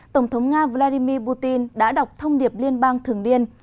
tổng thống nga vladimir putin đã đọc thông điệp liên bang thường điên